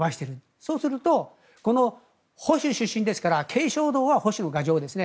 そうするとこの保守出身ですから慶尚道は保守の牙城ですね。